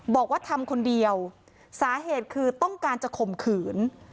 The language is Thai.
บอกว่าทำคนเดียวสาเหตุคือต้องการจะข่มขืน